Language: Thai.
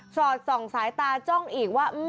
สอดส่องสายตาจ้องอีกว่า